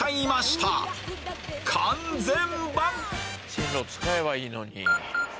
線路使えばいいのに。